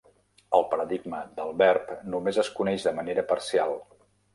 El paradigma del verb només es coneix de manera parcial.